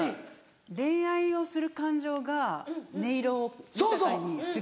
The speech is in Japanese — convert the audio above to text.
恋愛をする感情が音色を豊かにする。